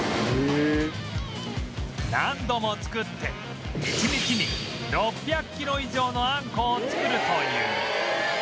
何度も作って１日に６００キロ以上のあんこを作るという